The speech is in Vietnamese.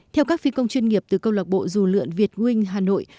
theo các phi công chuyên nghiệp từ câu lạc bộ dù lượn việt wing hà nội